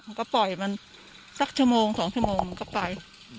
มันก็ปล่อยมันสักชั่วโมง๒ชั่วโมงมันก็ไป